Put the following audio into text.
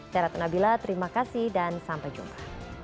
saya ratna bila terima kasih dan sampai jumpa